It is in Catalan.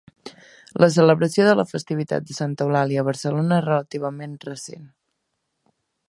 La celebració de la festivitat de Santa Eulàlia a Barcelona és relativament recent.